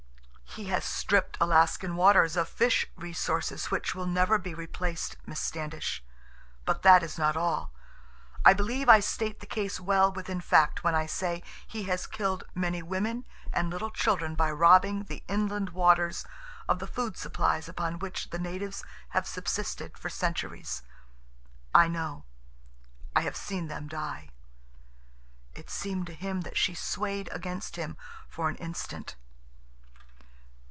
"He has stripped Alaskan waters of fish resources which will never be replaced, Miss Standish. But that is not all. I believe I state the case well within fact when I say he has killed many women and little children by robbing the inland waters of the food supplies upon which the natives have subsisted for centuries. I know. I have seen them die." It seemed to him that she swayed against him for an instant.